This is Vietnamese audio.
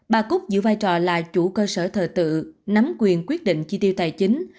bà cúc giữ vai trò là chủ cơ sở thờ tự nắm quyền quyết định chi tiêu tài chính